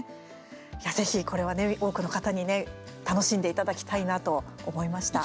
ぜひ、これはね、多くの方に楽しんでいただきたいなと思いました。